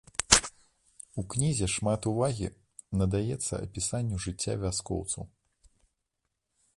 У кнізе шмат увагі надаецца апісанню жыцця вяскоўцаў.